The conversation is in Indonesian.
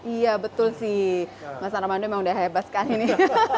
iya betul sih mas armando memang udah hebat sekali nih